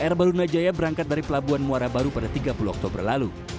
air barona jaya berangkat dari pelabuhan muara baru pada tiga puluh oktober lalu